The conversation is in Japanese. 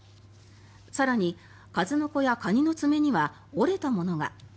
更に数の子やカニの爪には折れたものが。